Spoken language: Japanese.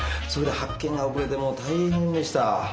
それで発見が遅れて大変でした。